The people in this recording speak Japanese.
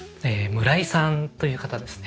村井さんという方ですね。